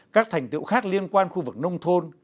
các thành tựu khác liên quan khu vực nông thôn